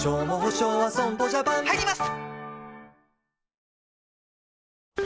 入ります！